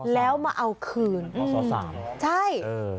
แล้วมาเอาคืนปศ๓ใช่